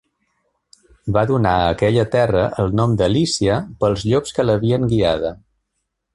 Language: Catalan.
Va donar a aquella terra el nom de Lícia pels llops que l'havien guiada.